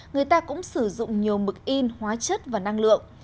người ta cũng sử dụng nhiều mực in hóa chất và năng lượng